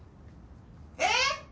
えっ？